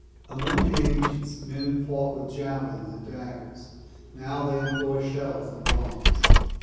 Among the ancients men fought with javelins and daggers; now they employ shells and bombs.